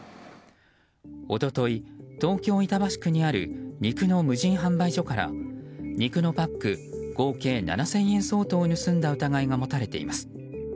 一昨日、東京・板橋区にある肉の無人販売所から肉のパック合計７０００円相当を盗んだ疑いが持たれています。